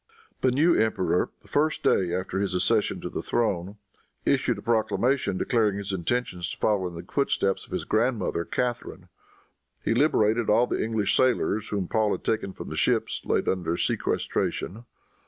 The new emperor, the first day after his accession to the throne, issued a proclamation declaring his intention to follow in the footsteps of his grandmother, Catharine. He liberated all the English sailors whom Paul had taken from the ships laid under sequestration.